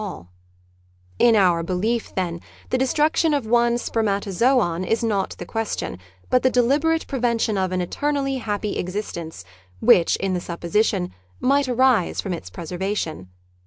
A Letter xv In our belief, then, the destruction of one spermatazoon is not the question, but the deliberate prevention of an eternally; happy existence which, in the supposition, might arise from its preservation.